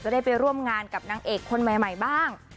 ได้ไปร่วมงานกับนางเอกคนใหม่บ้าง